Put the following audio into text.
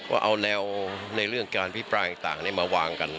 ว่าเอาแนวในเรื่องการพิปรายต่างมาวางกัน